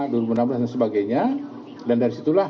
dua ribu enam belas dan sebagainya dan dari situlah